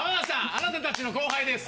あなた達の後輩です！